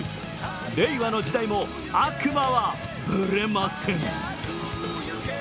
令和の時代も悪魔はぶれません！